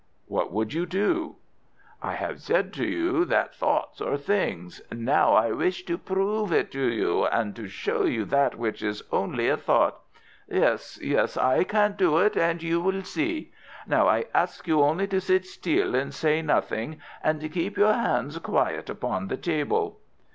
"What would you do?" "I have said to you that thoughts are things. Now I wish to prove it to you, and to show you that which is only a thought. Yes, yes, I can do it and you will see. Now I ask you only to sit still and say nothing, and keep ever your hands quiet upon the table."